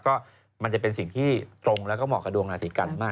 ก็มันจะเป็นสิ่งที่ตรงแล้วก็เหมาะกับดวงราศีกันมาก